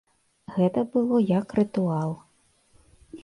Гэта было як рытуал.